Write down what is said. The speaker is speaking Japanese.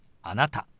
「あなた」。